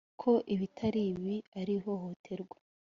ko ibitari ibi ari ihohoterwa